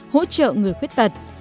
hỗ trợ người khuyết tật